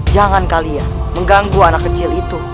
jangan kalian mengganggu anak kecil itu